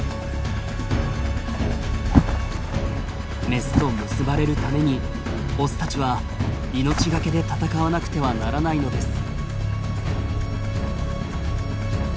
メスと結ばれるためにオスたちは命懸けで戦わなくてはならないのです。